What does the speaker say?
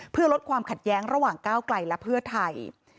เพื่อลดความขัดแย้งระหว่างก้าวไกลและเพื่อไทย